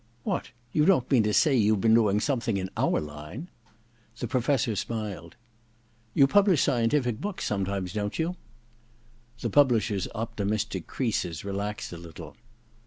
* What — you don't mean to say you've been doing something in our line ?' The Professor smiled. * You publish scien tific books sometimes, don't you ?' The publisher's optimistic creases relaxed a little.